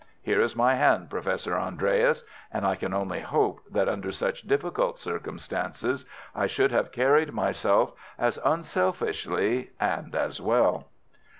Here is my hand, Professor Andreas, and I can only hope that under such difficult circumstances I should have carried myself as unselfishly and as well."